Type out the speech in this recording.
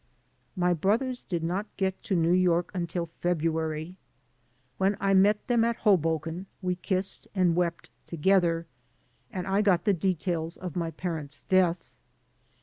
My brothers did not get to New York until February. When I met them at Hoboken we kissed and wept to gether, and I got the details of my parents' death.